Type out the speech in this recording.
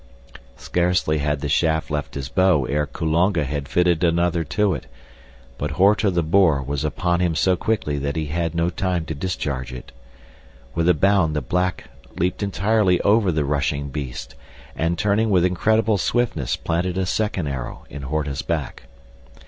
Scarcely had the shaft left his bow ere Kulonga had fitted another to it, but Horta, the boar, was upon him so quickly that he had no time to discharge it. With a bound the black leaped entirely over the rushing beast and turning with incredible swiftness planted a second arrow in Horta's back.